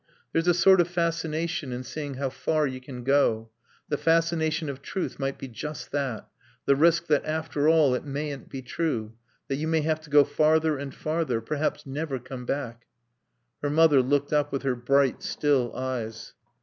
"There's a sort of fascination in seeing how far you can go.... The fascination of truth might be just that the risk that, after all, it mayn't be true, that you may have to go farther and farther, perhaps never come back." Her mother looked up with her bright, still eyes.